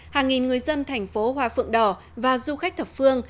hàng nghìn người dân thành phố hoa phượng đỏ và du khách thập phương